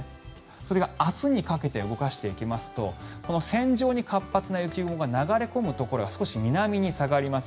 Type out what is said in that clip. それが明日にかけて動かしていきますと線状に活発な雪雲が流れ込むところが少し南に下がります。